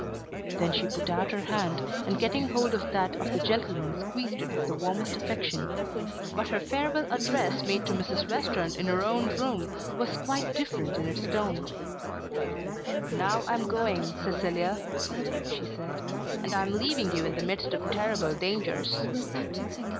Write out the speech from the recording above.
Then she put out her hand, and getting hold of that of the gentleman squeezed it with the warmest affection. But her farewell address made to Mrs. Western in her own room was quite different in its tone. "Now I am going, Cecilia," she said, "and am leaving you in the midst of terrible dangers."